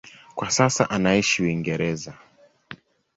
Kwa sasa anaishi Uingereza.